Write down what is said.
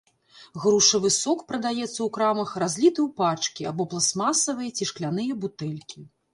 Грушавы сок прадаецца ў крамах разліты ў пачкі або пластмасавыя ці шкляныя бутэлькі.